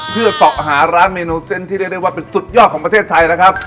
เพื่อสอบหาร้านเมนูเส้นที่เรียกได้ว่าเป็นสุดยอดของประเทศไทยนะครับ